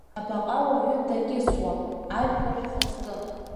Абаҟа уаҩы дакьысуам, ажәлар шәхаҵкы.